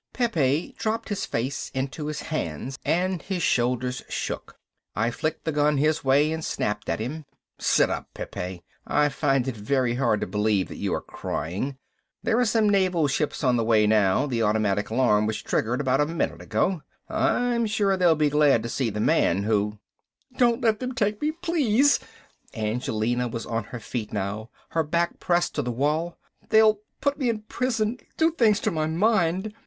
Pepe dropped his face into his hands and his shoulders shook. I flicked the gun his way and snapped at him. "Sit up, Pepe. I find it very hard to believe that you are crying. There are some Naval ships on the way now, the automatic alarm was triggered about a minute ago. I'm sure they'll be glad to see the man who...." "Don't let them take me, please!" Angelina was on her feet now, her back pressed to the wall. "They'll put me in prison, do things to my mind!"